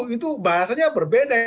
itu bahasanya berbeda